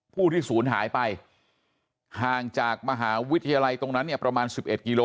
ผู้ที่ศูนย์หายไปห่างจากมหาวิทยาลัยตรงนั้นเนี่ยประมาณ๑๑กิโล